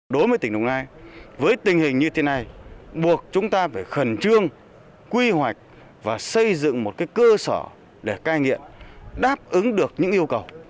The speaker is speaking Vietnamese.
đối với tỉnh đồng nai với tình hình như thế này buộc chúng ta phải khẩn trương quy hoạch và xây dựng một cơ sở để cai nghiện đáp ứng được những yêu cầu